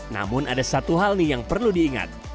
namun ada satu hal nih yang perlu diingat